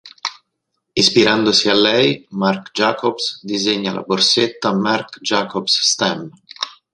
Ispirandosi a lei, Marc Jacobs disegna la borsetta "Marc Jacobs Stam".